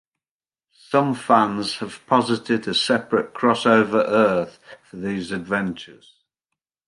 Some fans have posited a separate "Crossover Earth" for these adventures.